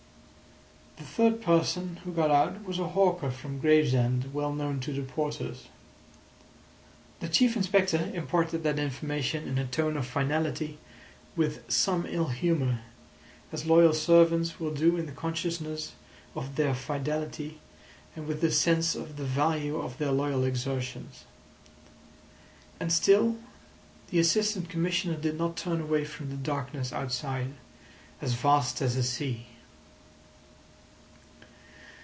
The third person who got out was a hawker from Gravesend well known to the porters. The Chief Inspector imparted that information in a tone of finality with some ill humour, as loyal servants will do in the consciousness of their fidelity and with the sense of the value of their loyal exertions. And still the Assistant Commissioner did not turn away from the darkness outside, as vast as a sea.